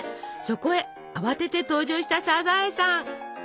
そこへ慌てて登場したサザエさん。